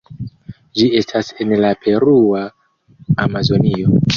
Ĝi estas en la Perua Amazonio.